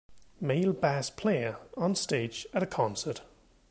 Male bass player on stage at a concert